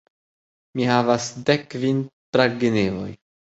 Mi havas dekkvin pragenevoj.